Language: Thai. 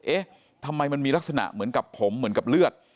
เอ๊ะทำไมมันมีลักษณะเหมือนกับผมเหมือนกับเลือด